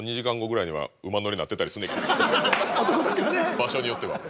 場所によっては。